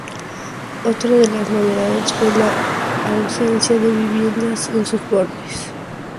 Otra de las novedades fue la ausencia de viviendas en sus bordes.